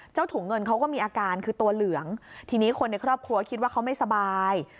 ถุงเงินเขาก็มีอาการคือตัวเหลืองทีนี้คนในครอบครัวคิดว่าเขาไม่สบาย